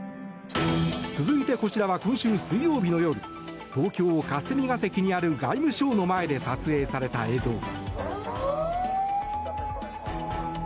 続いて、こちらは今週水曜日の夜東京・霞が関にある外務省の前で撮影された映像。